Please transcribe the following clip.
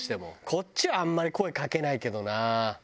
こっちはあんまり声かけないけどな。